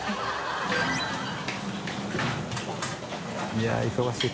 いやぁ忙しい。